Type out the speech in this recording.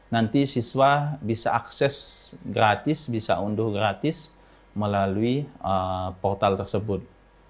nanti siswa bisa akses gratis bisa unduh gratis melalui portal tersebut